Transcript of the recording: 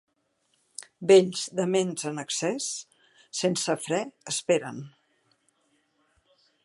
Vells dements en excés, sense fre, esperen.